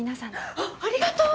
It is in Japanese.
あっありがとう！